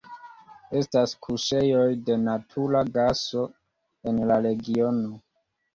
Estas kuŝejoj de natura gaso en la regiono.